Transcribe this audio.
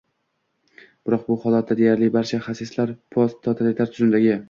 Biroq bu holatda deyarli barcha xartistlar post totalitar tuzumdagi